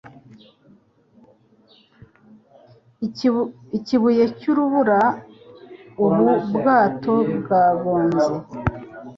Ikibuye cy'urubura ubu bwato bwagonze